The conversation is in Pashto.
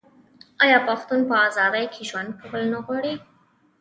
آیا پښتون په ازادۍ کې ژوند کول نه غواړي؟